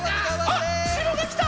あっしろがきた！